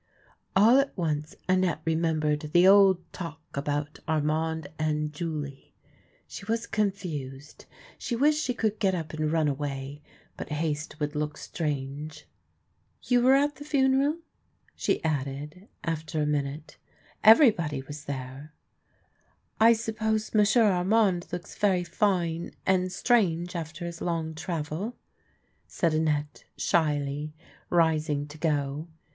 All at once Annette remembered the old talk about Armand and Julie. She was confused. She wished she could get up and run away ; but haste would look strange. " You were at the funeral ?" she added after a minute. " Everybody was there." " I suppose M'sieu' Armand looks very fine and strange after his long travel," said Annette shyly, rising to go.